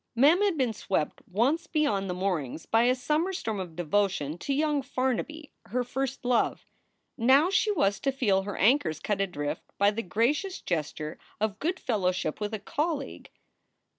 Mem had been swept once beyond the moorings by a summer storm of devotion to young Farnaby, her first love. Now she was to feel her anchors cut adrift by the gracious gesture of good fellowship with a colleague.